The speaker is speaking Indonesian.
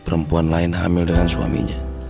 perempuan lain hamil dengan suaminya